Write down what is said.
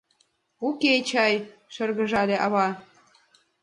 — Уке чай, — шыргыжале ава.